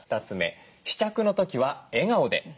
２つ目試着の時は笑顔で。